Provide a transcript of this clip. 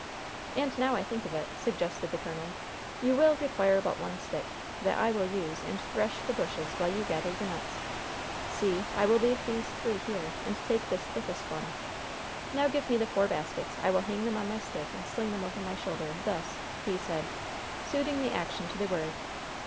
"And now I think of it," suggested the colonel, "you will require but one stick, and that I will use and thresh the bushes while you gather the nuts. See, I will leave these three here, and take this thickest one. Now give me the four baskets; I will hang them on my stick and sling them over my shoulder, thus," he said, suiting the action to the word.